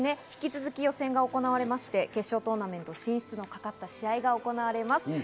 引き続き予選が行われまして、決勝トーナメント進出が懸かった試合が行われます。